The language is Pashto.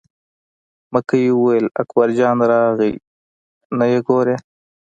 مکۍ وویل: اکبر جان راغلی نه یې ګورې.